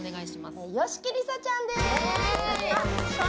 吉木りさちゃんです！